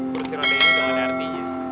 kursi roda ini nggak ada artinya